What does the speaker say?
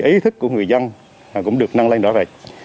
ý thức của người dân cũng được năng lên đỏ rạch